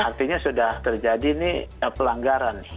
artinya sudah terjadi ini pelanggaran